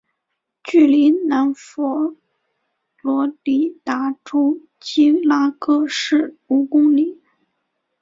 距离南佛罗里达州基拉戈市五公里。